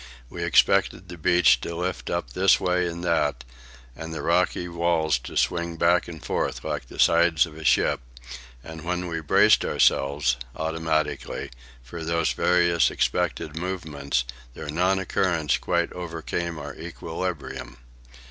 We expected the beach to lift up this way and that, and the rocky walls to swing back and forth like the sides of a ship; and when we braced ourselves, automatically, for these various expected movements, their non occurrence quite overcame our equilibrium.